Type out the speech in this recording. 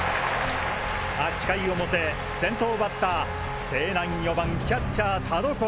８回表先頭バッター勢南４番キャッチャー田所！